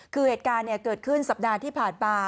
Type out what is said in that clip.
คือเหตุการณ์เกิดขึ้นสัปดาห์ที่ผ่านมา